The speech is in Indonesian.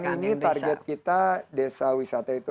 tahun ini target kita desa wisata itu